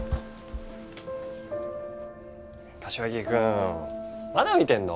柏木君まだ見てんの？